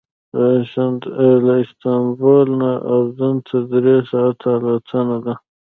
له استانبول نه اردن ته درې ساعته الوتنه ده.